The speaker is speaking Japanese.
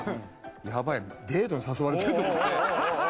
やばいデートに誘われてると思って。